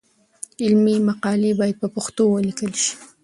علمي مقالې باید په پښتو ولیکل شي.